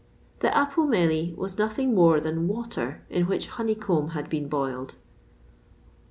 [XXVI 39] The apomeli was nothing more than water in which honeycomb had been boiled.